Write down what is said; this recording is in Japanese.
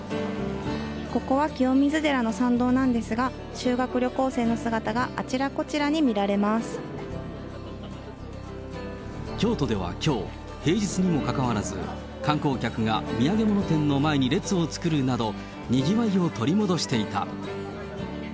ここは清水寺の参道なんですが、修学旅行生の姿があちらこち京都ではきょう、平日にもかかわらず、観光客が土産物店の前に列を作るなど、にぎわいを取り戻していた。